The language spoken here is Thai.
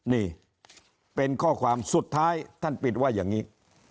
นี่เป็นข้อความสุดท้ายท่านปิดว่าอย่างนี้